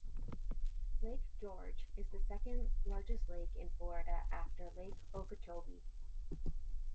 Lake George is the second largest lake in Florida, after Lake Okeechobee.